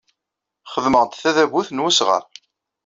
Xedmeɣ-d tadabut n usɣar.